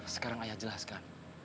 sekarang ayah jelaskan